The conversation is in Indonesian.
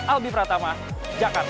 albi pratama jakarta